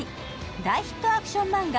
大ヒットアクションマンガ